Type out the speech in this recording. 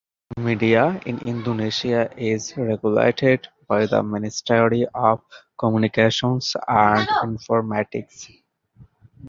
The media in Indonesia is regulated by the Ministry of Communications and Informatics.